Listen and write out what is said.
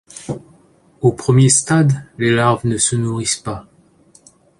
Au premier stade, les larves ne se nourrissent pas.